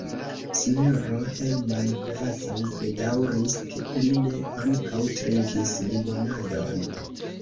S-ro Jehman kvazaŭ bedaŭris, ke li ne ankaŭ trinkis limonadon.